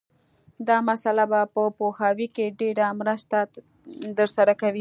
دا مسأله به په پوهاوي کې ډېره مرسته در سره وکړي